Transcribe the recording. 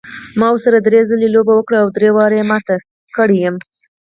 ما ورسره درې ځلې لوبه کړې او درې واړه یې مات کړی یم.